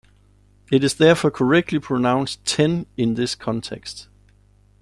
It is therefore correctly pronounced "ten" in this context.